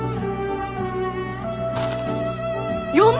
４万！？